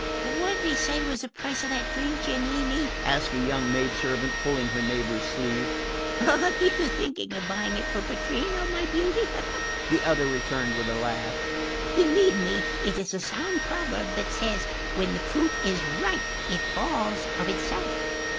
"What did he say was the price of that drink, Giannina?" asked a young maid servant pulling her neighbour's sleeve. "Are you thinking of buying it for Pietrino, my beauty?" the other returned with a laugh. "Believe me, it is a sound proverb that says: When the fruit is ripe it falls of itself."